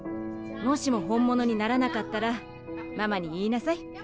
もしも本ものにならなかったらママに言いなさい。